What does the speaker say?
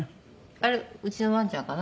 あれうちのワンちゃんかな？